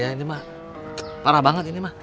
ini memang parah sekali